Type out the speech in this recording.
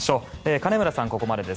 金村さん、ここまでです。